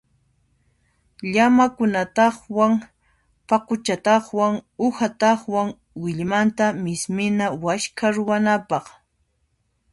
Llamakunaqtawan paquchaqtawan uhaqtawan willmanta mismina waskha ruwanapaq.